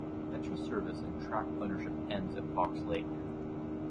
Metra service and track ownership ends at Fox Lake.